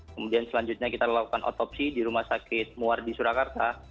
kemudian selanjutnya kita lakukan otopsi di rumah sakit muar di surakarta